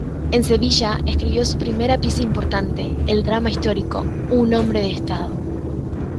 En Sevilla escribió su primera pieza importante, el drama histórico "Un hombre de estado".